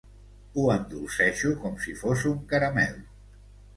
Ho endolceixo com si fos un caramel.